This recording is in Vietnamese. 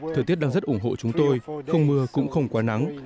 thời tiết đang rất ủng hộ chúng tôi không mưa cũng không quá nắng